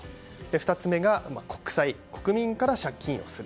２つ目が国債国民から借金をする。